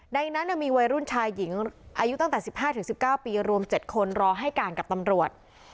ในนั้นมีวัยรุ่นชายหญิงอายุตั้งแต่๑๕๑๙ปีรวม๗คนรอให้การกับตำรวจ